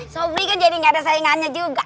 sobri kan jadi gak ada saingannya juga